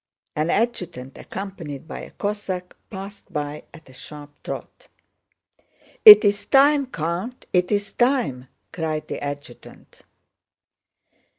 An adjutant accompanied by a Cossack passed by at a sharp trot. "It's time, Count; it's time!" cried the adjutant.